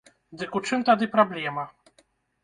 Дык у чым тады праблема?